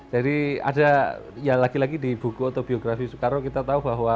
jadi ada ya lagi lagi di buku atau biografi sukarno kita tahu bahwa